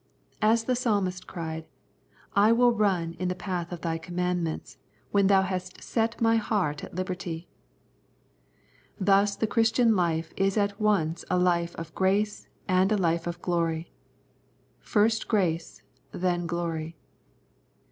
As the Psalmist cried :" I will run in the path of Thy commandments, when Thou hast set my heart at liberty." Thus the Christian life is at once a life of Grace and a life of Glory. " First Grace, then Glory."